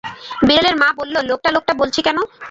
বিড়ালের মা বলল, লোকটা-লোকটা বলছি কেন?